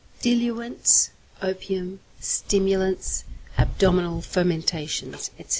_ Diluents, opium, stimulants, abdominal fomentations, etc.